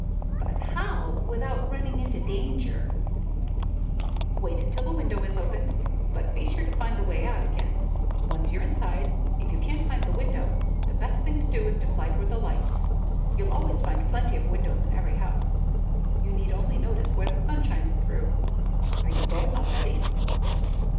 "But how, without running into danger?" "Wait until a window is opened. But be sure to find the way out again. Once you're inside, if you can't find the window, the best thing to do is to fly toward the light. You'll always find plenty of windows in every house. You need only notice where the sun shines through. Are you going already?"